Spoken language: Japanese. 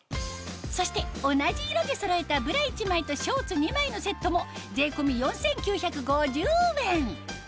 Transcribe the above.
そして同じ色でそろえたブラ１枚とショーツ２枚のセットも税込み４９５０円